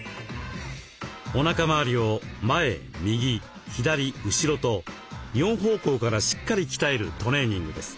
おなか回りを前右左後ろと４方向からしっかり鍛えるトレーニングです。